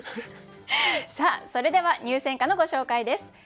さあそれでは入選歌のご紹介です。